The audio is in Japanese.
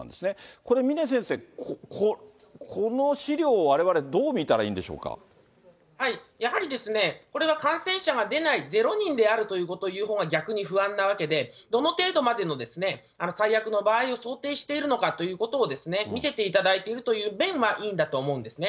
これ、峰先生、この資料をわれわやはりですね、これは感染者が出ない、ゼロ人であるということを言うほうが逆に不安なわけで、どの程度までの最悪の場合を想定しているのかということを見せていただいているという弁はいいんだと思うんですね。